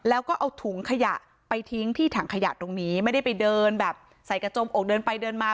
แล้วก็เอาถุงขยะไปทิ้งที่ถังขยะตรงนี้ไม่ได้ไปเดินแบบใส่กระจมอกเดินไปเดินมา